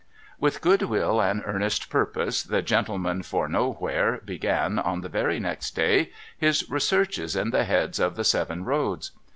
With good will and earnest purpose, the gentleman for Nowhere began, on the very next day, his researches at the heads of the seven roads.